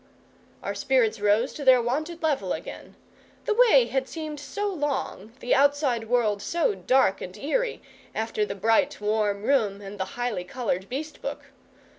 Our spirits rose to their wonted level again. The way had seemed so long, the outside world so dark and eerie, after the bright warm room and the highly coloured beast book.